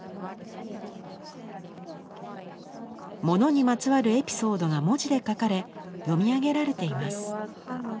物にまつわるエピソードが文字で書かれ読み上げられています。